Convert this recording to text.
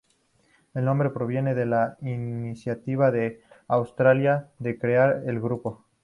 El nombre proviene de la iniciativa de Australia de crear el grupo.